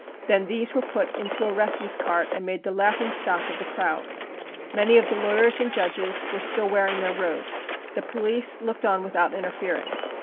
Then these were put into a refuse cart and made the laughing stock^of the crowd. Many of the lawyers and judges were still wearing their robes. The police looked on without interfering.